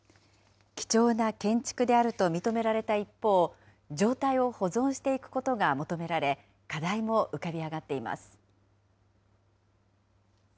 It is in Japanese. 貴重な建築であると認められた一方、状態を保存していくことが求められ、課題も浮かび上がっています。